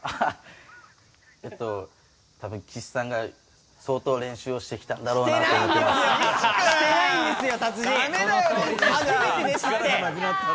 えっと、たぶん、岸さんが相当練習をしてきたんだろうなと思ってます。